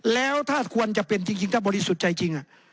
แล้วถ้าควรจะเป็นจริงถ้าบริสุทธิ์ใจจริง